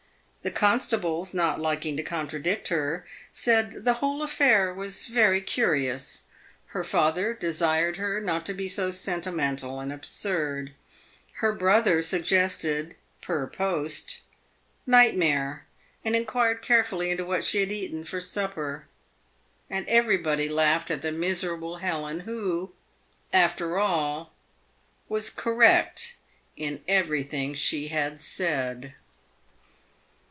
The constables, not liking to contradict her, said the whole affair was very curious ; her father desired her not to be so sentimental and absurd ; her bro ther suggested (per post) "nightmare," and inquired carefully into what she had that night eaten for supper, and everybody laughed at the miserable Helen, who, after all, was correct in everything she had said.